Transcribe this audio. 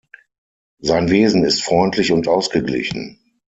Sein Wesen ist freundlich und ausgeglichen.